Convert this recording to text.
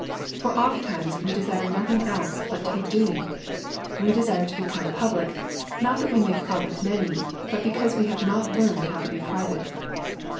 For ofttimes we desire nothing else but to be doing. We desire to become public, not that we may profit many, but because we have not learned how to be private.